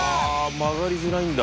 曲がりづらいんだ。